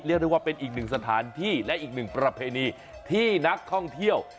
เรียกได้ว่าเป็นอีกหนึ่งสถานที่และอีกหนึ่งประเพณีที่นักท่องเที่ยว